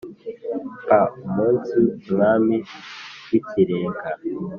P umunsi umwami w ikirenga